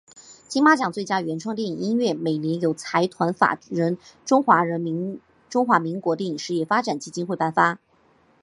金马奖最佳原创电影音乐每年由财团法人中华民国电影事业发展基金会颁发。